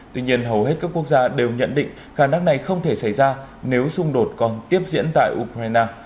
tuy nhiên hầu hết các quốc gia đều nhận định khả năng này không thể xảy ra nếu xung đột còn tiếp diễn tại ukraine